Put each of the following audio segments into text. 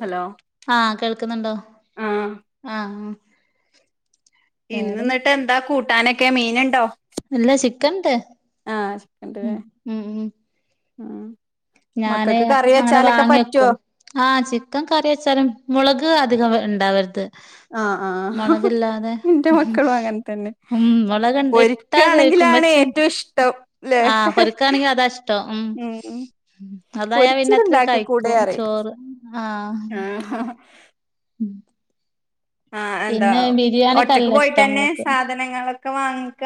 Hello ആഹ് കേൾക്കുന്നുണ്ടോ ആഹ് ആഹ് ആ ഇന്ന് ന്ന ട്ട് എന്താ കൂട്ടാനൊക്കെ മീന്ണ്ടോ അല്ലാ ചിക്കൻട് ആഹ് ചിക്കണ്ടല്ലേ ഉം ഞാന് മക്കൾക്ക് കറി അങ്ങനെ വെച്ചാലൊക്കെ വാങ്ങി പറ്റോ? വെക്കും ആഹ് ചിക്കൻ കറി വെച്ചാലും മുളക് അധികം ഉണ്ടാവരുത് ആഹ് ആഹ് മുളകില്ലാതെ ഇന്റെ മക്കളും അങ്ങനെ തന്നെ ഉം മുളക്ണ്ട് ഇട്ടാ ചോദിക്കുമ്പ പൊരിക്കാണെങ്കിലാണ് ഏറ്റവും ഇഷ്ടം ല്ലേ ആഹ് പൊരുക്കാണെങ്കിൽ അതാ ഇഷ്ടം ഉം അതായ പൊരിച്ചത് പിന്നത്തിരി ഇണ്ടാക്കി കൂടെ കഴിക്കും അറിം ചോറ്. ആഹ് [unintelligible] ഉം ആഹ് എന്താ ഒറ്റക്ക് നല്ല പോയിട്ട് ഇഷ്ടാ തന്നെ മോൾക്ക് സാധനങ്ങളൊക്കെ വാങ്ങിക്ക?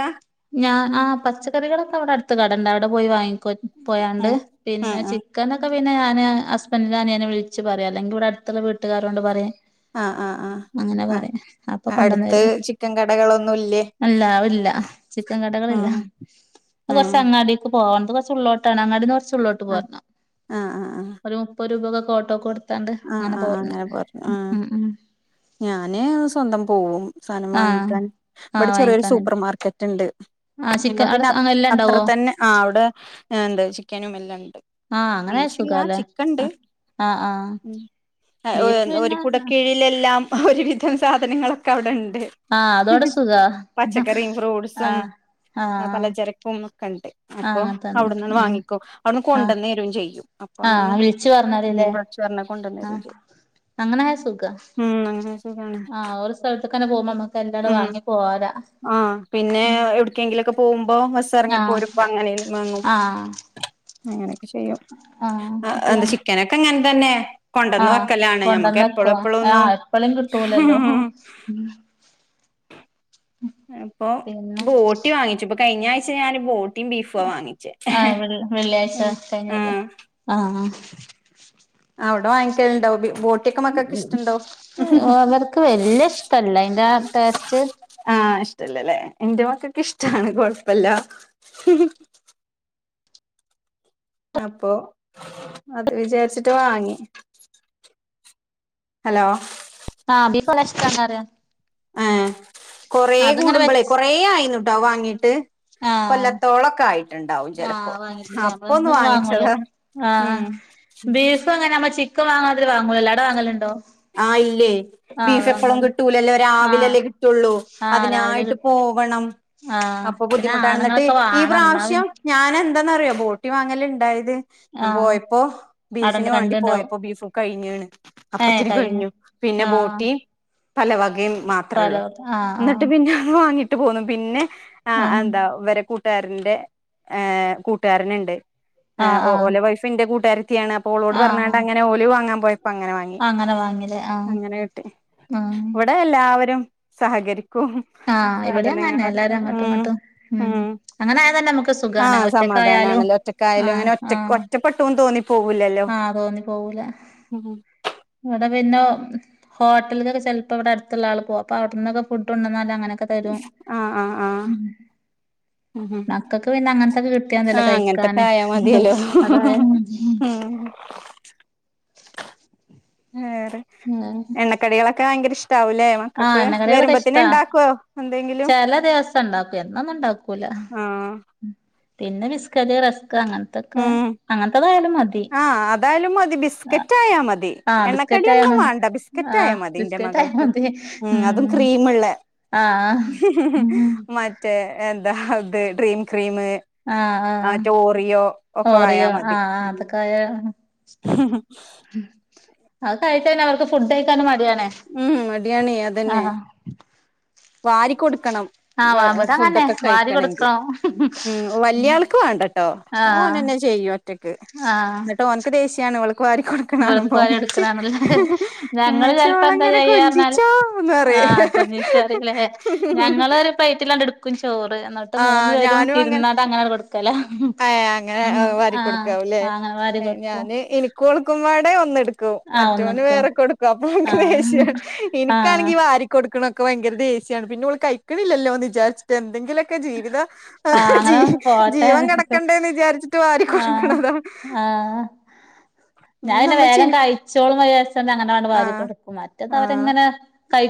ഞാൻ ആഹ് പച്ചക്കറികളൊക്കെ അവിടെ അടുത്ത് കടണ്ട്. അവിടെ പോയി വാങ്ങി ക്ക പോയാണ്ട്. ഉം ഉം പിന്നെ ഉം ചിക്കനൊക്കെ പിന്നെ ഞാന് ഹസ്ബൻഡിന്റെ അനിയനെ വിളിച്ച് പറയാ അല്ലെങ്കി ഇവിടെ അടുത്തുള്ള വീട്ടുകാരൊണ്ട് പറയാൻ. ആഹ് ആഹ് ആഹ് അങ്ങനെ പറയാ. അപ്പൊ ആഹ് കൊണ്ടൊന്ന് അടുത്ത് തരും. ചിക്കൻ കടകളൊന്നും ഇല്ലേ? അല്ല ഇല്ല ചിക്കൻ കടകളില്ല. ഉം അത് കൊറച്ച് ഏഹ് അങ്ങാടീക്ക് പോകണം അത് കുറച്ച് ഉള്ളോട്ടാണ്. അങ്ങാടിന്ന് കൊറച്ച് ഉള്ളോട്ട് ട്ട് ആഹ് പോരണം. ആഹ് ആഹ് ആഹ് ഒരു മുപ്പത് രൂപൊക്കെ ഓട്ടോക്ക് കൊടു ത്താണ്ട് ആഹ് അങ്ങനെ ആഹ് പോരണം. പറഞ്ഞു ആഹ് ഉം ഉം ഞാന് സ്വന്തം പോവും സായ്നം ആഹ് വാങ്ങിക്കാൻ. ആഹ് ഇവിടെ ചെറിയൊരു വാങ്ങിക്കാന് സൂപ്പർ മാർക്കറ്റ്ണ്ട്. ആ ചിക്കൻ ഞങ്ങള് അവിടെ പിന്നെ അ അങ്ങനെ എല്ലാം അത്ര ഉണ്ടാവോ തന്നെ ആഹ് അവിടെ എന്ത ചിക്കനും എല്ലാം ഉണ്ട്. ആഹ് അങ്ങനെ ബീഫില്ല സുഖാല്ലേ ചിക്കൻ ഉണ്ട് ആഹ് ആഹ് ബീഫ് ഒരു കൂട പിന്നെ കീഴിലെല്ലാം ഒരുവിധം സാധനങ്ങളൊക്കെ അവിടെണ്ട്. ആഹ് അതോടെ സുഖാ പച്ചക്കറീം ഫ്രൂട്ട്സും ആഹ് ആഹ് പലചരക്കും ഒക്കെണ്ട്. ആഹ് അപ്പം അങ്ങനത്തന്നെ അവിടന്നണ് ഉം വാങ്ങിക്കും. അവിടുന്ന് ആഹ് കൊണ്ടെന്ന് തരോം ചെയ്യും. അപ്പ ആഹ് അങ്ങനെ വിളിച്ചു [unintelligible] പറഞ്ഞാലില്ലേ വിളിച്ച് പറഞ്ഞാ കൊണ്ടെന്ന് തരോം ആഹ് ചെയ്യും. അങ്ങനായ സുഖാ ഉം അങ്ങനെ ശരിയാണ് ആഹ് ഒരു സ്ഥലത്തക്കന്നെ പോകുമ്പോ നമുക്ക് എല്ലാടോം വാങ്ങി പോകാലാ. ആഹ് പിന്നെ എവിടക്കെങ്കിലൊക്കെ പോകുമ്പോ ബസ് ആഹ് ഇറങ്ങിപ്പോരുമ്പ അങ്ങനെയും വാങ്ങും. ആഹ് അങ്ങനെയൊക്കെ ചെയ്യും. ആഹ് എന്ത ചിക്കനൊക്കെ അങ്ങനെതന്നെ കൊണ്ടന്ന് ആഹ് വെക്കലാണ്. നമ്മക്ക് എപ്പഴ കൊണ്ടന്നക്കുവാ എപ്പഴൊന്നും ആഹ് എപ്പളും കിട്ടൂലല്ലോ ഉം [inaudible] അപ്പൊ പിന്നെ ബോട്ടി വാങ്ങിച്ചു. ഇപ്പ കഴിഞ്ഞ ആഴ്ച ഞാന് ബോ ത്തിം ബീഫാ വാങ്ങിച്ചേ. ആഹ് വെള്ളി വെള്ളിയാഴ്ച ഉം കഴിഞ്ഞല്ലേ ആഹ് ആഹ് അവിടെ വാങ്ങിക്കലുണ്ടൊ പി പോ അവർക്ക് വല്ല്യ ഇഷ്ടല്ല അതിന്റെ ആ ടേസ്റ്റ് ആഹ് ഇഷ്ടല്ലല്ലേ, എന്റെ മക്കക്ക് ഇഷ്ടാണ് കൊഴപ്പല്ല. [unintelligible] അപ്പൊ അത് വിചാരിച്ചിട്ട് വാങ്ങി. ഹലോ ആഹ് ബീഫെല്ലാ ഇഷ്ടല്ലാത്തവരാര? ആഹ് കൊറേ അതിങ്ങനെ കൂടുമ്പളെ വെച്ച് കൊറേ ആയിന്നൂട്ടോ വാങ്ങീട്ട്. ആഹ് കൊല്ലത്തോളൊക്കായി. ണ്ടാവും ചെലപ്പോ ആഹ് വാങ്ങിട്ടില്ലേ അപ്പ ഒന്ന് നമ്മളെന്നൊന്നും വാങ്ങൂലേ വാങ്ങിച്ചതാണ്. ആഹ് ഉം ബീഫ് അങ്ങനെ നമ്മ ചിക്കൻ വാങ്ങണാതിരി വാങ്ങൂല്ലല്ലോ, അവിടെ വാങ്ങലുണ്ടോ? ആഹ് ഇല്ലേ, ആഹ് ബീഫ് എപ്പളും വാങ്ങൂലേ കിട്ടൂലല്ലോ ആഹ് രാവിലല്ലേ കിട്ടുള്ളൂ. ആഹ് രാവിലെ അതിനായിട്ട് പോ കിട്ടും വണം. ആഹ് അപ്പൊ പിന്നെ ബുദ്ധിമുട്ടാണ് എന്നിട്ട് ആണുങ്ങളൊക്കെ ഈ വാണം എന്നാ പി പ്രാവശ്യം ഞാനെന്താന്നറിയോ പോട്ടി വാങ്ങല്ണ്ടായത് ഞാൻ ആഹ് പോയപ്പോ ബീഫിന് അവിടെണ്ട് വേണ്ടി കണ്ടുണ്ടാവും പോയപ്പോ ബീഫ് കഴിഞേണ്. അപ്പ ഏഹ് കഴിഞ്ഞു പിന്നെ ആഹ് ബോട്ടിം പലവകെം മാ ത്രൊള്ളൂ. പലോർത്ത് ആഹ് എന്നിട്ട് പിന്നെ അത് വാങ്ങി ട്ട് പോന്നു. പിന്നെ ആഹ് എന്താ ഇവരെ കൂട്ടുകാരന്റെ ഏഹ് കൂട്ടുകാരന്ണ്ട് ആഹ് ഏഹ് ആഹ് ഓല ആഹ് വൈഫ് ഇന്റെ കൂട്ടുകാരത്തിയാണ് അപ്പോ ഓളോട് ആഹ് പറഞ്ഞാട്ടങ്ങനെ ഓല് വാങ്ങാൻ പോയപ്പോ അങ്ങനെ വാങ്ങി അങ്ങനെ വങ്ങിലെ? അങ്ങനെ കിട്ടി ഇവടെ എല്ലാവരും സഹകരിക്കും ആഹ് ഇവിടെയും അങ്ങനെന്നെ സാധനങ്ങളക്കെ എല്ലാരും അങ്ങോട്ടും ഉം ഇങ്ങോട്ടും ഉം അങ്ങനെ ആയാ തന്നെ നമുക്ക് സുഖാണ് ആഹ് ഒറ്റക്കായാലും സമാധാനാണല്ലോ ഒറ്റ ക്കായലും ആഹ് അങ്ങനെ ഒറ്റ ആഹ് ഒറ്റപ്പെട്ടന്ന് തോന്നി പോവൂല്ലല്ലോ ആഹ് ഉം ഇവടെ പിന്നെ ഹോട്ടൽകൊക്കെ ചെൽപ്പോ ഇവടെ അടുത്തുള്ളാള് പോവും അപ്പൊ അവിടെന്നൊക്കെ ഫുഡ് കോണ്ടന്നാല് അങ്ങനെക്കെ തരും ഉം ഉം ഉം മക്കക്ക് പിന്നെ അങ്ങനത്തൊക്കെ കിട്ടിയ മതിയല്ലോ കഴിക്കാന് ആയാ മതിയല്ലോ അതായ മതി ഉം ഉ വേറെ എണ്ണക്കടികളൊക്കെ ഭയങ്കര ഇഷ്ടാവൂലേ? ആഹ് മക്കൾക്ക് എണ്ണ കടികളൊക്കെ വരുമ്പത്തിന് ഇഷ്ട്ട ഇണ്ടാക്കുവോ എന്തെങ്കിലും ചെല ദിവസം ഇണ്ടാക്കും എന്നൊന്നും ഇണ്ടാക്കൂല ആഹ് പിന്നെ ബിസ്കറ്റ്, റസ്ക്ക് അങ്ങന ഉം ആഹ് അതായാലും മതി ബിസ്കറ്റായ മതി ആഹ് ബിസ്കറ്റായാ എണ്ണക്കടിയൊന്നും മതി വേണ്ട ബിസ്ക്കറ്റ് ആയ ആഹ് മതി ഇന്റെ ബിസ്കറ്റായാ മകൾക്ക് മതി ഉം അതും ക്രീമ്ള്ളെ ആഹ് ഉം മറ്റേ എന്താ ഇത് ഡ്രീം ക്രീം ആഹ് ആഹ് മറ്റെ ഓറിയോ ഒക്കെ ആയാ ഓറിയോ മടി ആഹ് അതൊക്കെ അ ഇശ്ട്ട അതൊക്കെ ആയിട്ടന്നെ അവർക്ക് ഫുഡ് കഴിക്കാനും മടിയാണ് ഉം മടിയാണേ അതന്നെ വാരി കൊടുക്കണം ആഹ് ഇവടങ്ങന്നെ ഫുഡൊക്കെ വാരി കഴിക്കണെങ്കി കൊടുക്കണം ഉം വല്ല്യാൾക്ക് വേണ്ട ട്ടോ അഹ് ആഹ് ഓനന്നെ ചെയ്യും ഒറ്റക്ക് ആഹ് ഇന്നെട്ട് ഓൻക്ക് ദേഷ്യാണ് അവൾക്ക് വാരി കൊടുക്ക ണേ കാണുമ്പോ വെളുക്കുവാരി ഇമ്മച്ചി എടുക്കണാണല്ലേ ഞങ്ങള് ഇമ്മച്ചി ചെലപ്പോ ഓളങ്ങനെ കൊഞ്ചിച്ചോന്ന് പറയും കൊഞ്ചിച്ചോ പറിയിലെ? ഞങ്ങളൊരു പ്ലൈറ്റിലാണ്ട് ഇട്ക്കും ചോറ് എന്നിട്ട് മൂന്ന് ആഹ് പേരും ഞാനും അങ്ങനെ ഇരുന്നാണ്ട് അങ്ങനാണ്ട് കൊടുക്ക ല ഏഹ് അങ്ങനെ ഉം വാരി ആഹ് അങ്ങനെ വാരി കൊടുക്കും കൊടുക്കുമ്പാടെ ഒന്നെടു ക്കും ആഹ് മറ്റോന് ഒന്നെടുക്കും വേറെ കൊടുക്കും അപ്പൊ ഇൻക്ക് ആഹ് ദേഷ്യാണ് ആഹ് ഇനിക്കാണെങ്കി വാരി കൊ ടുണക്കെ ഭയങ്കര ദേശ്യാണ് പിന്നെ ഓള് കഴിക്ക്ണില്ലല്ലോന്ന് വിചാരിച്ചിട്ട് എന്തെങ്കിലൊ ക്കെ ജീവിതം ആഹ് അങ്ങനെ ജീവ പോട്ടെ ജീവൻ കെടക്ക ണ്ടേന്ന് വിചാരിച്ചിട്ട് വാരി ആഹ് കൊടുക്ക്ണതാ ആഹ് ഞാൻ പിന്നെ വേഗം കഴിച്ചോളും വിചാരിച്ചാണ്ട് അങ്ങനാണ്ട് വാരി ആഹ് കൊടുക്കും മറ്റെത് ആഹ് അവര്ങ്ങനെ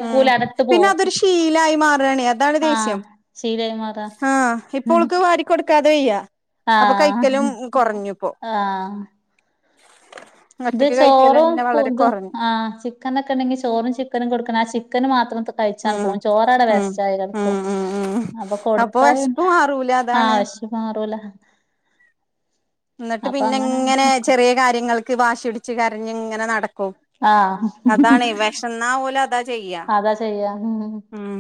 ഉം പിന്നെ അതൊരു ശീലായി മാറണേ അതാണ് ആഹ് ദേശ്യം ശീലായി മാറാ ആഹ് ഉം ഇപ്പോൾക്ക് വാരി കൊടുക്കാതെ വയ്യാ ആഹ് ആഹ് ഇത് ഒറ്റക്ക് കഴിക്കലന്നെ വളരെ ചോറും കൊറഞ്ഞു ആ ചിക്കനൊക്കെ ഇണ്ടെങ്കി ചോറും ചിക്കനും കൊടുക്കണം ആ ചിക്കന് മാത്രം തി കഴിച്ചാണ്ട് ഉം പോകും ചോറവ്ടെ ഉം വേസ്റ്റായി കട്ക്കും ഉം ഉം ഉം അപ്പൊ കൊടുത്താ വെശപ്പ് പിന്നെ മാറൂല ആഹ് അതാണ് വെശപ്പ് മാറൂല്ലോ ഇന്നെട്ട് പിന്നെങ്ങനെ ചെറിയ കാര്യങ്ങൾക്ക് വാശി പിടിച്ച് കരഞ്ങ്ങനെ നട ക്കും ആഹ് അതാണെ വെശന്നാ ഓല് അതാ ചെയ്യാ അതാ ചെയ്യാ ഉം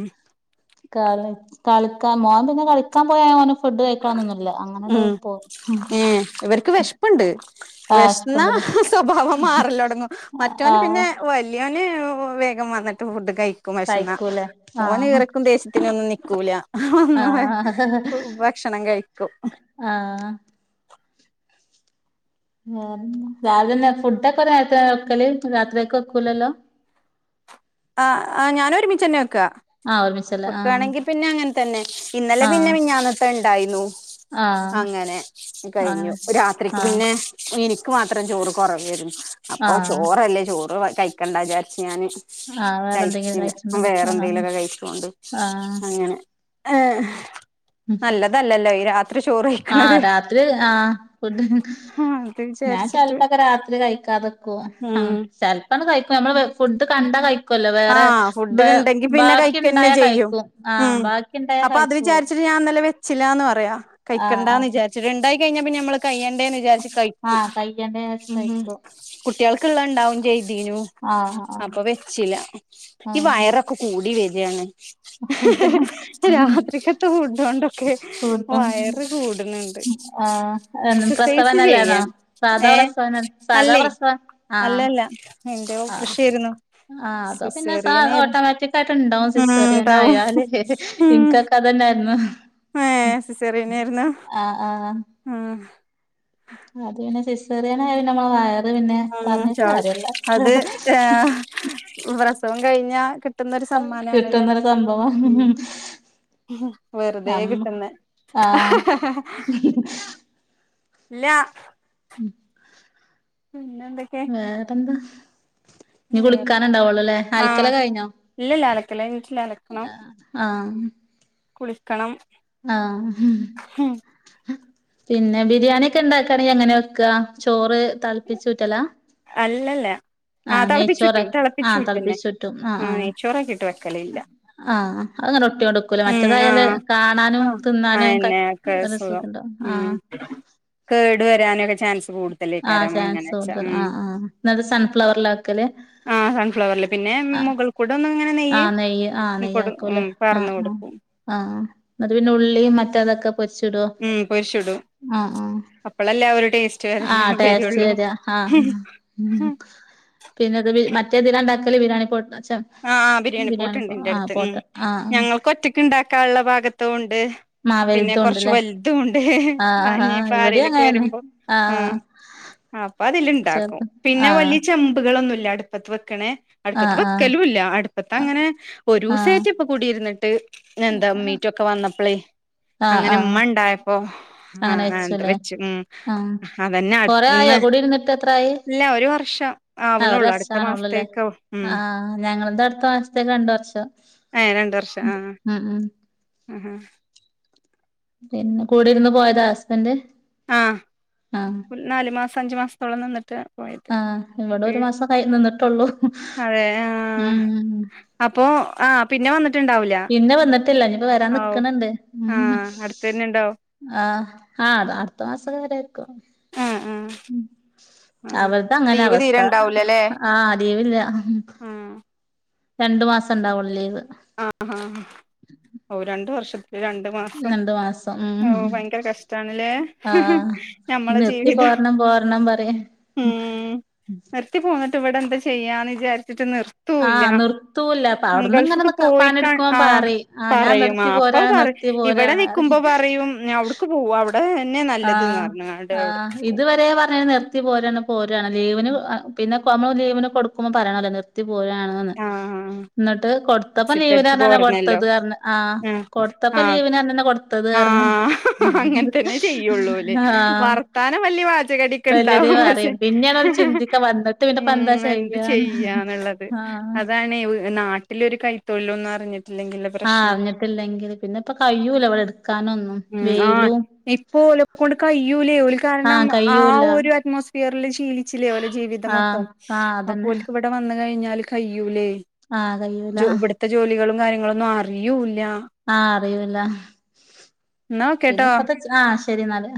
കളി കളിക്കാൻ മോം പിന്നെ കളിക്കാൻ പോയ ഓന് ഫുഡ് കഴിക്കണന്നൊന്നുല്ല അങ്ങനണ്ട് ഉം പോവും ഏഹേ ഇവർക്ക് വെശപ്പ്ണ്ട് ആഹ് വെഷന്ന വിശപ്പുണ്ടല്ലേ സ്വഭാവം മാറലൊട്ങ്ങും മറ്റോന് പിന്നെ ആഹ് വ ല്ലിയോന് വേഗം വന്നിട്ട് ഫുഡ് കഴിക്കും വിശന്ന കഴിക്കൂലേ ഓന് ആഹ് ഈറക്കും ദേശത്തിനൊന്നും നിക്കൂല ആഹ് ഒ ഭക്ഷണം കഴിക്കും ആഹ ഉം രാവിലെന്നെ ഫുഡോക്കെ നേരത്തന്നെ വെക്കല് രാത്രിക്ക്‌ വെക്കൂലല്ലോ ആ ആ ഞാന് ഒരുമിച്ചന്നെ വെക്കാ ആ ഒര്മിച് വക്കയാണെങ്കി പിന്നെ അങ്ങനെ തന്നെ ഇന്നലെ പിന്നെ ആഹ് മിഞ്ഞന്നത്തെ ഇണ്ടായിന്നു ആഹ് അങ്ങനെ അങ്ങനെ കഴിഞ്ഞു വെച്ച് രാത്രിക്ക് ആഹ് പിന്നെ എനിക്ക് മാത്രം ചോറ് കൊറവേരുന്നു അപ്പൊ ആഹ് ചോറല്ലേ ചോറ് കൈക്കണ്ടാചാരിച്ച ഞാന് ആഹ് വേറെന്തെങ്കിലും കഴിച്ചില്ല വേറെന്തെങ്കിലുമൊക്കെ കഴിചോണ്ട് ആഹ ഏ നല്ലതല്ലല്ലോ ഈ രാത്രി ചോറ് ആഹ കഴിക്കണത് രാത്രി ആഹ ഫുഡ അത് ഞാൻ വിചാരിച്ചിട്ട് ചെിലപ്പോക്കെ രാത്രി കഴിക്കാതെക്കുവ ആ ഉം ചെല കഴിക്കും നമ്മള് ഫുഡ് കണ്ടാ കഴിക്കുല്ലോ വേറെ ആഹ് ഫുഡ് ഉണ്ടെങ്കി പിന്നെ ബാക്കി കഴിക്കന്നെ ഉണ്ടായ ചെയ്യും കഴിക്കും ആ ഉം ബാക്കി ഉണ്ടായാ അപ്പൊ അത് കഴിച്ചു പോവും ഞാൻ വിചാരിച്ചിട്ട് ഇന്നലെ വെച്ചില്ലാന്ന് പറയാ ആഹ് കഴിക്കണ്ട എന്ന് ആഹ് വിചാരിച്ചട്ട ഇണ്ടായി കഴിഞ്ഞാ നമ്മള് കഴ്യണ്ടന്ന് ചാരിച്ച് കഴിക്കും ആഹ് കയ്യന്റെ വെച്ച് ഉം കഴിക്കും കുട്ടികൾക്കള്ള ഉണ്ടാവും ചെയ്തീനു ആഹ് ആഹ് അപ്പൊ വെച്ചില്ല ഈ ആഹ് വയറ ക്കെ കൂടി വരാണ് ഫുഡ് രാത്രിക്കത്തെ ഫുഡോണ്ടൊക്കെ ഫുഡും വയറ് കൂടുന്നുണ്ട് ആഹ് എക്സസൈസ് പ്രസവനല്ലേന്നോ ചെയ്യൻ സാധാ ഏഹ പ്രസവന സാധാ അല്ലേ പ്രസവം ആഹ് അല്ലല്ല ന്റെ ഓപ്പറേഷനേയിരുന്നു ആ അതോ പിന്നെ സ ഓട്ടോമാറ്റിക് ആയിട്ട് ഉണ്ടാവും ഉം സിസറിയൻ ഉണ്ടാവും ആായല് ഉം ഇനകൊക്കെ അതന്നെയിരുന്നു ഏ സിസേറിയനെയിരുന്നു ആഹ് ആ അത് പിന്നെ സിസെറിയന പിന്ന നമ്മള് വയറ് പിന്നെ ഉം പറഞ്ഞിട്ട് കാര്ല്ല അത് പ്രസവം കഴിഞ്ഞാ കിട്ടുന്നൊരു സമ്മാനമാണല്ലേ കിട്ടുന്നൊരു സംഭവം ഉം വെറുതെ നമ്മ കിട്ടുന്നെ ആഹ് ഇല്ല ഉം പിന്നെ എന്തൊക്കെയ വേറെന്താ ഇനി കുളിക്കാന ഉണ്ടാവള്ളോ അല്ലേ ആൽക്കല കഴിഞ്ഞോ ഇല്ല അലക്കല് കഴിഞ്ഞിട്ടില്ല ആഹ കുളിക്കണം ആഹ പിന്നെ ബിരിയാണി ഒക്കെ ഇണ്ടാക്കയാണെങ്കിൽ അങ്ങനെ വെക്ക ചോറ് തളപ്പിച്ചുറ്റലാ അല്ലല്ല ആഹ് തിളപ്പിച്ചുട്ടും നെയ്ച്ചോറാക്കി ആഹ് തിളപ്പിച്ചുട്ടുന്നെ തളപ്പിച്ചൂറ്റും ആ നെയച്ചോറക്ക ഇട്ട് വെക്കല് ഇല്ല ആഹ അത് നല്ലോണം ഒട്ടിയൊണ്ട്കൂലെ മറ്റേതായാല ആഹ് കാണാനും ആഹ് തിന്നാനും ഒക്കെ അയന്നെ സുഖം ഉം കേടു വരാനൊക്കെ ചാൻസ് ആ കൂടുതലേക്കാരം അങ്ങനെ വെച്ചാ ചാൻസ് ആ ഉം ആ ന്നിട്ട് സൺഫ്ലവറലാ വെക്കല് ആഹ് സൺഫ്ലവറില് പിന്നെ ആ മുകൾ കൂടെ ഒന്ന് ഇങ്ങനെ നെയ്യ് ആഹ നെയ്യ ആഹ നെയ്യ കൊടു ഉം ആക്കൂല്ലേ ആഹ് പാർന്ന് ആ കൊടുക്കും ആഹ ന്നിട്ട് പിന്നെ ഉള്ളിയും മറ്റതൊക്കെ പൊര്ച്ചിടോ? ഉം പൊരിച്ചിടും അപ്പളല്ലേ ആ ഒരു ടേസ് ആഹ് ടേസ്റ്റ് വരാ ആഹ് ആഹ് പിന്നെത് മി മ റ്റേതിലാ ഇണ്ടാക്കല് ബിരിയാണി പോട്ട് അഹ് ച്ച ആഹ് ആഹ് ബിരിയാണി പോട്ട്ണ്ട് ഇൻ്റെട്ത്ത്. ഉം ആഹ് ആഹ് ഞങ്ങൾക്ക് ഒറ്റക്ക് ണ്ടാക്കാൻള്ള പാകത്തതൂണ്ട്. ആഹ് പിന്നെ വലുതും കൊറച്ച് ഉണ്ടല്ലേ വല്തൂണ്ട്. ആഹ് ഇഞ്ഞിപ്പാരേലൊക്കെ വരുമ്പം ആഹ്. അപ്പൊ അതില്ണ്ടാക്കും. ചെറുത് പിന്നെ ആഹ് വലിയ ചെമ്പുകളൊന്നുംല്ല അടുപ്പത്ത് വെക്ക്ണേ. അടുപ്പത്ത് ആഹ് വെ ആഹ് ക്കലൂല്ല. അടുപ്പത്തങ്ങനെ, ആഹ് ഒരൂസേറ്റെ ഇപ്പ കുടിയിര്ന്നിട്ട്. എന്താ മീറ്റൊക്കെ വന്നപ്പളേ. ആഹ് അങ്ങനെ ആഹ് ഉമ്മ ഉണ്ടായപ്പോ ആ അങ്ങനെ വെച്ചു എന്താ ല്ലേ വെച്ച് ഉം ആഹ്. അതന്നെ കൊറെ അടുത്തുന്ന് ആയോ കുടി ഇര്ന്നിട്ട് എത്രായി? ഇല്ല ഒരു വർഷം ആഹ് ഒര് ആവണുള്ളൂ അടുത്ത വർഷാവ്ണൊള്ളുല്ലേ. മാസത്തേക്കാവും ഉം ആഹ് ഞങ്ങളത് അടുത്ത മാസത്തേക്ക് രണ്ട് വർഷം. ഏഹ് രണ്ട് വർഷം. ആഹ്. ഉം ഉം ആഹാ പിന്നെ കുടിര്ന്ന് പോയതാ ഹസ്ബൻഡ്? ആഹ് ആഹ് ആഹ്. നാല് മാസം അഞ്ച് മാസത്തോളം നിന്നിട്ട്. പോയത് ആഹ് ഇവടെ വീ ഒരു മാസം കയ് നിന്നിട്ടൊള്ളൂ. ഉം അപ്പോ ആഹ് പിന്നെ വന്നിട്ടുണ്ടാവുലാ. പിന്നെ വന്നിട്ടില്ല ഇഞ്പ്പം വരാൻ നിക്ണ് ണ്ട്. ആഹ് അടുത്തന്നെ ഉണ്ടാവും ആഹ് ആഹ് അത് അടുത്ത മാസൊക്കെ വര്വായിരിക്കും. ആഹ് ആഹ്. ഉം. ആഹ് അവൾതങ്ങനെ ലീവ് അവസ്ഥ. തീരെ ഉണ്ടാവൂലല്ലേ ആഹ് ലീവില്ല്യാ ആഹ് രണ്ടു മാസം ണ്ടാവൊള്ളു ലീവ്. ആഹ് ഹാ. ഔഹ് രണ്ട് വർഷ ത്ത്ന് രണ്ട് മാസം. രണ്ടു മാസം ഉം ഓഹ് ഭയങ്കര കഷ്ട്ടാണ് ല്ലേ. ആഹ് നിർത്തി പോരണം പോരണം പറ്യാ. ർത്തി പോന്നിട്ട് ഇവെടെ എന്താ ചെയ്യാന്ന് വിചാരിച്ചിട്ട് നിർ ആഹ് നിർത്തൂല അപ്പൊ അവ്ടുന്ന് ഇങ്ങനെന്നൊക്ക പോയിക്കാ പണിട്ക്കുമ്പോ ആഹ് പറയും. ആഹ് ഞാൻ പറയും നിർത്തി ആഹ് പോരാ നിർത്തി പോരാണ് പറയും. ഉം ഇഞ്ഞവ്ട്ക്ക് പോവാ അവ്ടെന്നെ നല്ലത് ന്ന് പർഞ്ങ്ങാണ്ട് അവ്ട്ക്ക് പോവും. ഇതരേ പർഞ്ഞീനി നിർ ത്തി പോരാണ് പോരാണ്. ലീവിന് പിന്നെപ്പോ നമ്മൾ ലീവിന് കൊടുക്കുമ്പം പറയണല്ലോ നിർത്തി പോരാണ്. ആന്ന്. ആഹ് ഇന്നട്ട് കൊടുത്തപ്പം എക്സിറ്റ് ലീവിന് അടിച്ചു പർഞ്ഞന്നെ പോരണല്ലോ കൊടുത്തത് പർഞ്. ആഹ് കൊടുത്തപ്പം ആഹ് ലീവിന് പർഞ്ഞെന്നെ കൊട് ത്തത് പർഞ്. ചെയ്യുള്ളൂല്ലേ. വർത്താനം വല്യ വല്യതേ വാചകടിയൊക്കെണ്ടാവും. പക്ഷെ, പറയും പിന്നെയാണ് ഓല് ചിന്തിക്ക വന്നിട്ട് പിന്നെപ്പ എന്താ ഉം എന്ത് ചെയ്യാന്ന് ചെയ്യാന്ന്ള്ളത്. ആഹ് അതാ ണെ. നാട്ടിലൊരു കൈ തൊഴിലൊന്നും അറിഞ്ഞിട്ടില്ലെങ്കില്ലെ ആഹ് പ്രശ്നം അറിഞ്ഞിട്ടില്ലെങ്കിൽ പിന്നെപ്പ കയ്യൂല ഇവടെ ഇട്ക്കാനൊന്നും. ഉം ആഹ് ഇപ്പൊ ഓലെകൊണ്ട് കയ്യൂലേ ഓല് കാരണം ആഹ് ആ കയ്യൂല ഒരു അറ്റ്മോസ് ഫിയറിൽ ശീലിച്ചില്ലേ ഓലെ ജീവിതം ആഹ് മൊത്തം ആഹ് അതന്നെ അപ്പോൽക്ക് ഇവടെ വന്ന് കഴിഞ്ഞാല് കയ്യൂലേ. ആഹ് കയ്യൂല. ത്ത ജോലികളും കാര്യങ്ങളൊന്നും അറിയ്യൂല്ല. ആഹ് അറിയൂല്ല. എന്നാ ഓക്കേട്ടോ പിന്നെപ്പത്തെ ച് ആഹ് ശരി ന്നാല്.